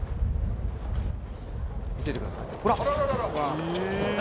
見ててください。